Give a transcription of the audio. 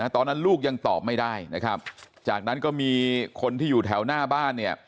ตอนนั้นลูกยังตอบไม่ได้นะครับจากนั้นก็มีคนที่อยู่แถวหน้าบ้านเนี่ย